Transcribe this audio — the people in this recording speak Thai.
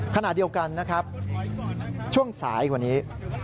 ขณะเดียวกันนะครับช่วงสายกว่านี้